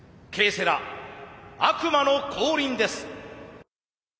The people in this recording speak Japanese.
セラ悪魔の降臨です。